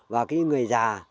và cái người già